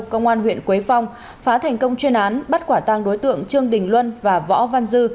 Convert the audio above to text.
công an huyện quế phong phá thành công chuyên án bắt quả tang đối tượng trương đình luân và võ văn dư